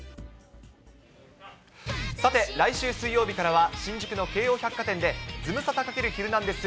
さて、来週水曜日からは、新宿の京王百貨店でズムサタ×ヒルナンデス！